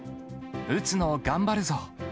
打つのを頑張るぞ。